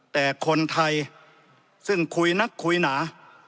แต่คนไทยซึ่งคุยนักคุยหนา